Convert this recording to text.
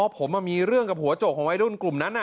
ผมมีเรื่องกับหัวโจกของวัยรุ่นกลุ่มนั้น